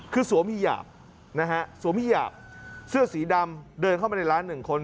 คือสวมฮีหยาบนะฮะสวมฮิหยาบเสื้อสีดำเดินเข้ามาในร้านหนึ่งคน